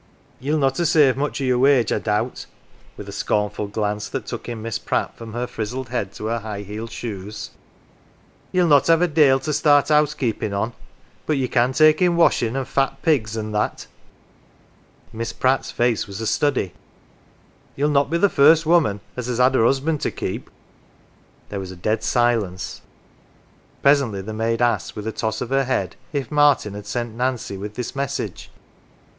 Yell not have saved much o' your wage, I doubt " with a scornful glance that took in Miss Pratt, from her frizzled head to her high heeled shoes " Yell not have a dale to start housekeepin' on ; but ye can take in washing an 1 fat pigs, an 1 that 1 ' Miss Pratt's face was a study " Yell not be the first woman as has had her husband to keep." There was a dead silence. Presently the maid asked, with a toss of her head, if Martin had sent Nancy with this message.